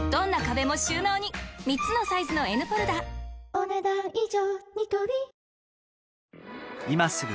お、ねだん以上。